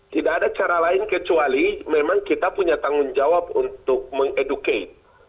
tidak ada cara lain kecuali memang kita punya tanggung jawab untuk mengedukate